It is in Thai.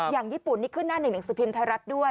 อย่างญี่ปุ่นนี่ขึ้นหน้า๑๑๐พิมพ์ไทยรัฐด้วย